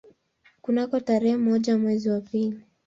Kunako tarehe moja mwezi wa pili